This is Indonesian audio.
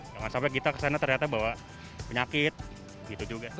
jangan sampai kita kesana ternyata bawa penyakit gitu juga